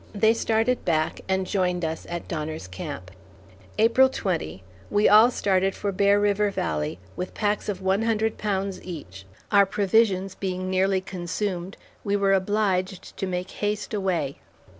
They started back and joined us at Donner's Camp. April 20. We all started for Bear River Valley, with packs of one hundred pounds each; our provisions being nearly consumed, we were obliged to make haste away.